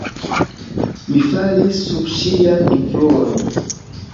Mi falis sub ŝian influon.